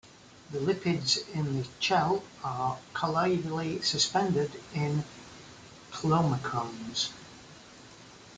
The lipids in the chyle are colloidally suspended in chylomicrons.